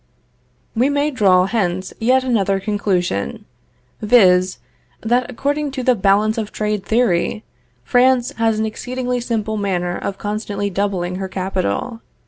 We may draw hence yet another conclusion, viz.: that according to the Balance of Trade theory, France has an exceedingly simple manner of constantly doubling her capital.